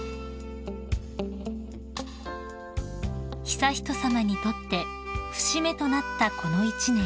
［悠仁さまにとって節目となったこの一年］